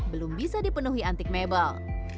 belum bisa dipenuhi antik mebel